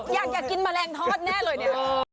อยากกินแมลงทอดแน่เลยเนี่ย